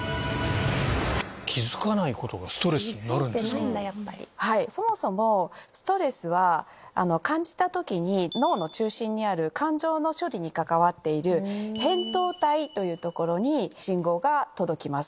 自覚のないそもそもストレスは感じた時に脳の中心にある感情の処理に関わっている扁桃体という所に信号が届きます。